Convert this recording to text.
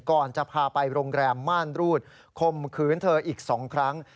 ก่อนจะพาไปโรงแรมม่านรูดคมขืนเธออีก๒ครั้ง